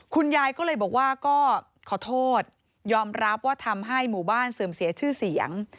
คุณยายก็เลยบอกว่าก็ขอโทษยอมรับว่าทำให้หมู่บ้านเสื่อมเสียชื่อเสียง